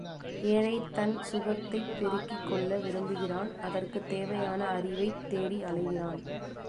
ஏழை தன் சுகத்தைப் பெருக்கிக்கொள்ள விரும்புகிறான் அதற்குத் தேவையான அறிவைத் தேடி அலைகிறான்.